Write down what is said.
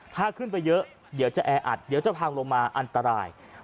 ถ้าขึ้นไปเยอะเดี๋ยวจะแออัดเดี๋ยวจะพังลงมาอันตราย